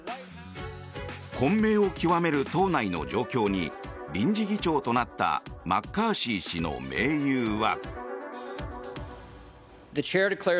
混迷を極める党内の状況に臨時議長となったマッカーシー氏の盟友は。